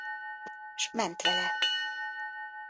S ment vele.